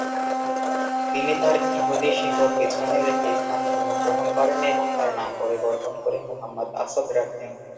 তিনি তার ইহুদি শিকড় পিছনে রেখে ইসলাম ধর্ম গ্রহণ করেন এবং তার নাম পরিবর্তন করে মুহাম্মদ আসাদ রাখেন।